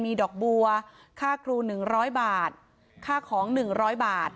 มีดอกบัวค่าครูหนึ่งร้อยบาทค่าของหนึ่งร้อยบาท